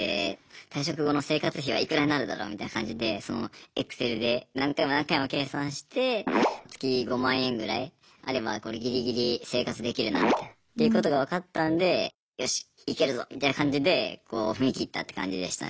退職後の生活費はいくらになるだろうみたいな感じでＥｘｃｅｌで何回も何回も計算して月５万円ぐらいあればこれギリギリ生活できるなみたいなということが分かったんでよしイケるぞみたいな感じでこう踏み切ったって感じでしたね。